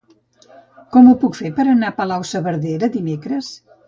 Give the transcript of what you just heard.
Com ho puc fer per anar a Palau-saverdera dimecres?